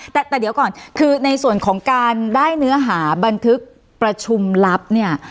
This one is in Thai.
แต่เดี๋ยวก่อนคือในส่วนของการได้เนื้อหาบันทึกประชุมลับเนี่ย